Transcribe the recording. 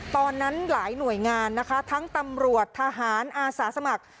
หลายหน่วยงานนะคะทั้งตำรวจทหารอาสาสมัคร